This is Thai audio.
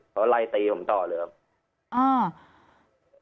เขาไล่ตีผมต่อเลยครับ